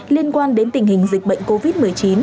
liên quan đến tình hình dịch bệnh covid một mươi chín